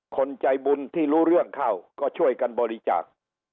คนใจบุญที่รู้เรื่องเข้าก็ช่วยกันบริจาค